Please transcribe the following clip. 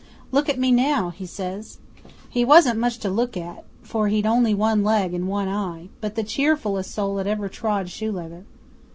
Look at me now," he says. He wasn't much to look at, for he'd only one leg and one eye, but the cheerfullest soul that ever trod shoe leather.